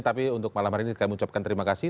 tapi untuk malam hari ini kami ucapkan terima kasih